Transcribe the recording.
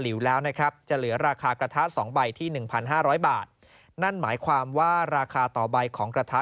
จะเหลือราคากระทะ๒ใบที่๑๕๐๐บาทนั่นหมายความว่าราคาต่อใบของกระทะ